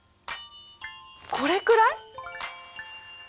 これくらい？